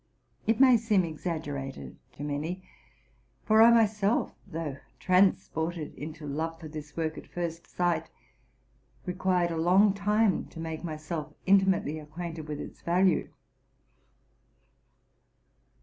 It may seem exaggerated to many ; for I myself, though transported into love for this work at first sight, required a long time to make myself intimately acquainted with its value.